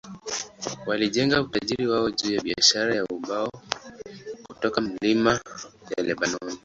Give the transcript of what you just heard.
Walijenga utajiri wao juu ya biashara ya ubao kutoka milima ya Lebanoni.